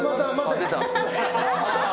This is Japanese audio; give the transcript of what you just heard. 出た。